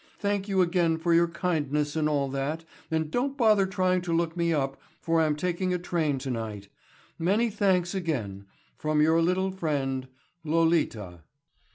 Thank you again for your kindness and all that and don't bother trying to look me up for I'm taking a train tonight. Many thanks again—from your little friend, LOLITA.